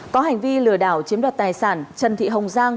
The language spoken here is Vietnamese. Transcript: có hành vi lừa đảo chiếm đoạt tài sản trần thị hồng giang